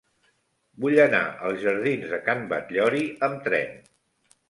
Vull anar als jardins de Can Batllori amb tren.